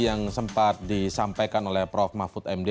yang sempat disampaikan oleh prof mahfud md